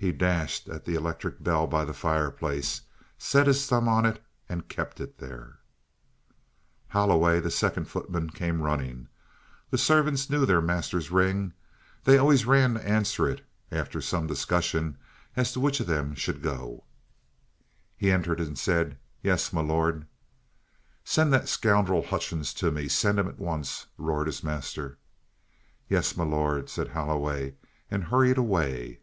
He dashed at the electric bell by the fireplace, set his thumb on it, and kept it there. Holloway, the second footman, came running. The servants knew their master's ring. They always ran to answer it, after some discussion as to which of them should go. He entered and said: "Yes, m'lord?" "Send that scoundrel Hutchings to me! Send him at once!" roared his master. "Yes, m'lord," said Holloway, and hurried away.